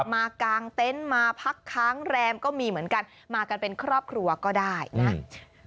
มากางเต็นต์มาพักค้างแรมก็มีเหมือนกันมากันเป็นครอบครัวก็ได้นะ